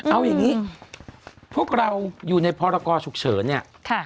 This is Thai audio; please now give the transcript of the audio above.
เอาอย่างนี้พวกเราอยู่ในพรกชุกเฉิน